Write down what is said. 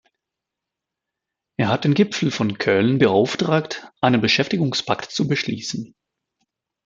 Er hat den Gipfel von Köln beauftragt, einen Beschäftigungspakt zu beschließen.